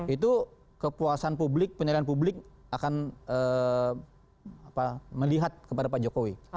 itu kepuasan publik penilaian publik akan melihat kepada pak jokowi